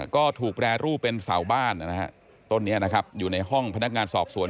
ก็ถูกแปรรูปเป็นเสาบ้านนะฮะต้นนี้นะครับอยู่ในห้องพนักงานสอบสวน